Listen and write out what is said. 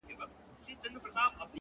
چي له سترگو څخه اوښكي راسي _